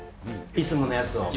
いつものもやつを。